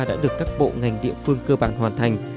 đã được các bộ ngành địa phương cơ bản hoàn thành